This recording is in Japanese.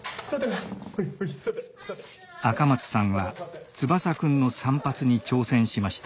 赤松さんは翼くんの散髪に挑戦しました。